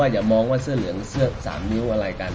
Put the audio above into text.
อย่ามองว่าเสื้อเหลืองเสื้อ๓นิ้วอะไรกัน